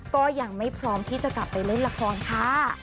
ก็ยังไม่พร้อมที่จะกลับไปเล่นละครค่ะ